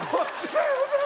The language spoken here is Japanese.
すみません！